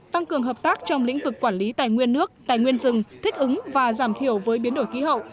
tăng cường hợp tác trong lĩnh vực quản lý tài nguyên nước tài nguyên rừng thích ứng và giảm thiểu với biến đổi khí hậu